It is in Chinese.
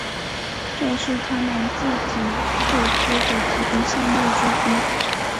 这是他们自己注资的几个项目之一。